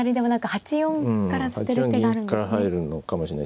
８四銀から入るのかもしれない。